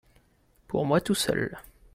Pour moi tout seul